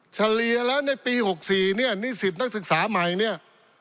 เฉลี่ยแล้วในปี๖๔เนี่ยนิสิตนักศึกษาใหม่เนี่ย